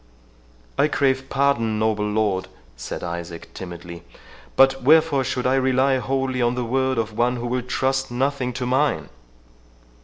"I crave pardon, noble lord," said Isaac timidly, "but wherefore should I rely wholly on the word of one who will trust nothing to mine?"